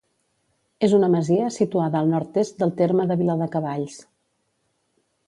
És una masia situada al nord-est del terme de Viladecavalls.